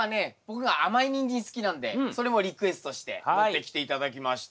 僕が甘いニンジン好きなんでそれもリクエストして持ってきて頂きました。